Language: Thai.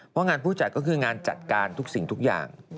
เพราะงานผู้จัดก็คืองานจัดการทุกสิ่งทุกอย่าง